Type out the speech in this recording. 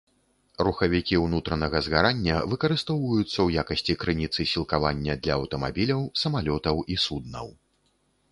Рухавікі ўнутранага згарання выкарыстоўваюцца ў якасці крыніцы сілкавання для аўтамабіляў, самалётаў і суднаў.